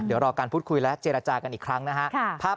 เดี๋ยวรอการพูดคุยและเจรจากันอีกครั้งนะครับ